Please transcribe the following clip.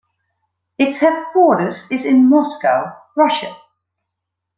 Its headquarters is in Moscow, Russia.